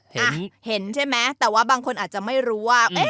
อ่ะเห็นใช่ไหมแต่ว่าบางคนอาจจะไม่รู้ว่า